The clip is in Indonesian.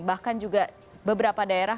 bahkan juga beberapa daerah